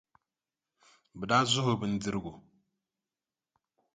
Bɛ daa zuhi o bindirigu.